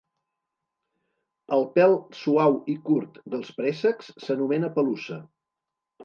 El pèl suau i curt dels préssecs s'anomena pelussa.